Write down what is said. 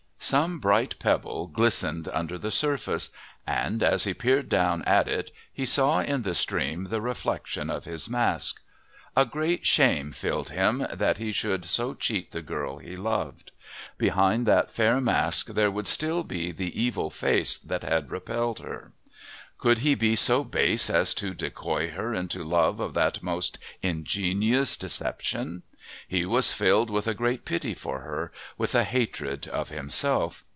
Some bright pebble glistened under the surface, and, as he peered down at it, he saw in the stream the reflection of his mask. A great shame filled him that he should so cheat the girl he loved. Behind that fair mask there would still be the evil face that had repelled her. Could he be so base as to decoy her into love of that most ingenious deception? He was filled with a great pity for her, with a hatred of himself.